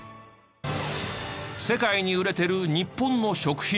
世界に売れてる日本の食品。